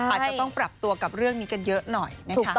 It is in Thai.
อาจจะต้องปรับตัวกับเรื่องนี้กันเยอะหน่อยนะคะ